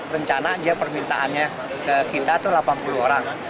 rencana dia permintaannya ke kita itu delapan puluh orang